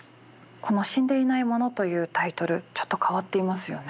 この「死んでいない者」というタイトルちょっと変わっていますよね。